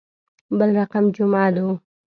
بل رقم جمعه دو.